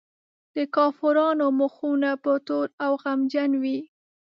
د کافرانو مخونه به تور او غمجن وي.